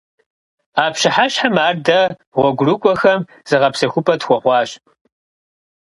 А пщыхьэщхьэм ар дэ, гъуэгурыкIуэхэм, зыгъэпсэхупIэ тхуэхъуащ.